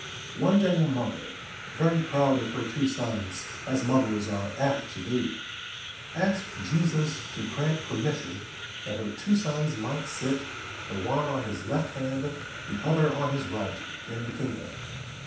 One day a mother, very proud of her two sons, as mothers are apt to be, asked Jesus to grant permission that her two sons might sit, the one on his left hand, the other on his right, in the kingdom.